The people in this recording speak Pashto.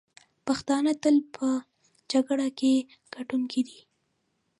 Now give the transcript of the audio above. پښتانه تل په جګړه کې ګټونکي دي.